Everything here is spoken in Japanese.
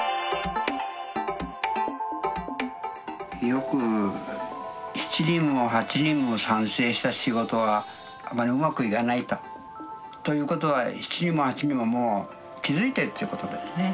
よく７人も８人も賛成した仕事はあまりうまくいかないと。ということは７人も８人ももう気付いてるっていうことだよね。